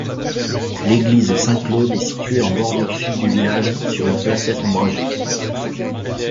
L’église Saint-Claude est située en bordure sud du village, sur une placette ombragée.